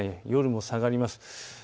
夜も下がります。